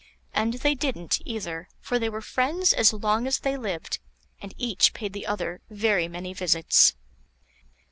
And they didn't either; for they were friends as long as they lived, and each paid the other very many visits.